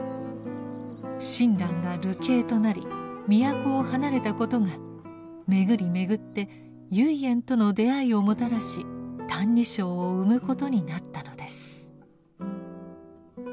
親鸞が流刑となり都を離れたことが巡り巡って唯円との出会いをもたらし「歎異抄」を生むことになったのです。